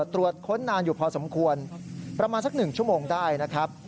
ตรวจค้นนานอยู่พอสมควรประมาณสัก๑ชั่วโมงได้นะครับ